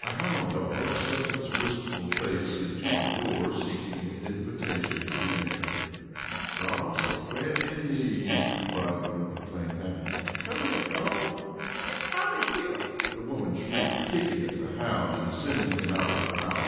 A hound dog stuck his wistful face into the door, seeking an invitation to enter. "Dar's a frien' in need," the bridegroom proclaimed happily. "Come here, dawg!" "Git out o' here!" the woman shrieked, kicking at the hound and sending him out with a howl.